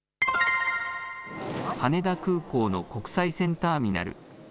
羽田空港の国際線ターミナル。